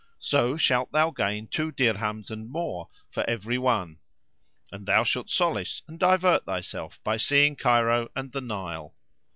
So shalt thou gain two dirhams and more, for every one; and thou shalt solace and divert thyself by seeing Cairo and the Nile."